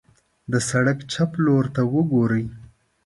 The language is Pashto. د سړک چپ لورته وګورئ.